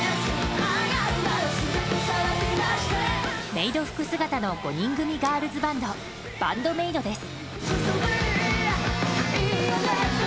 メイド服姿の５人組ガールズバンドＢＡＮＤ‐ＭＡＩＤです。